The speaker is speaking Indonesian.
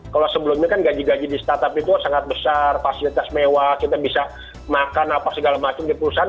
kalau sebelumnya kan gaji gaji di startup itu sangat besar fasilitas mewah kita bisa makan apa segala macam di perusahaan